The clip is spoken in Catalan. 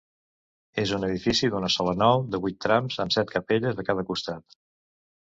És un edifici d'una sola nau, de vuit trams amb set capelles a cada costat.